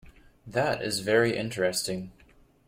That is very interesting.